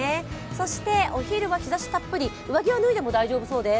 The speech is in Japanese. お昼は日ざしたっぷり、上着は脱いでも大丈夫そうです。